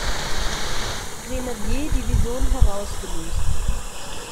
Grenadier-Division herausgelöst.